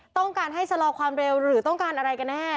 ต้องการให้ชะลอความเร็วหรือต้องการอะไรกันแน่